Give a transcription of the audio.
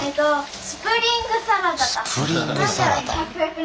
スプリングサラダ。